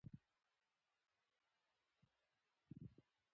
د الله تعالی شکر ادا کړئ چې د زده کړې توفیق یې درکړ.